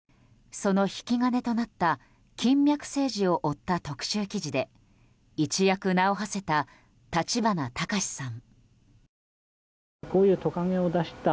その引き金となった金脈政治を追った特集記事で一躍名を馳せた立花隆さん。